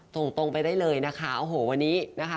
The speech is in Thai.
ตรงตรงไปได้เลยนะคะโอ้โหวันนี้นะคะ